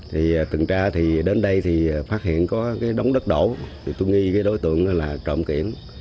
thì từng tra thì đến đây thì phát hiện có cái đống đất đổ thì tôi nghĩ cái đối tượng là trộm kiểm